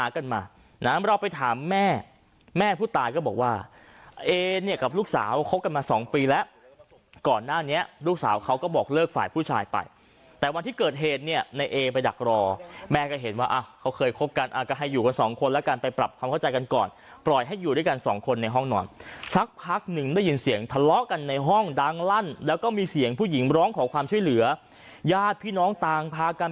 ก่อนหน้านี้ลูกสาวเขาก็บอกเลิกฝ่ายผู้ชายไปแต่วันที่เกิดเหตุเนี่ยในเอไปดักรอแม่ก็เห็นว่าเขาเคยคบกันก็ให้อยู่กันสองคนแล้วกันไปปรับความเข้าใจกันก่อนปล่อยให้อยู่ด้วยกันสองคนในห้องนอนสักพักหนึ่งได้ยินเสียงทะเลาะกันในห้องดังลั่นแล้วก็มีเสียงผู้หญิงร้องของความช่วยเหลือญาติพี่น้องต่างพากั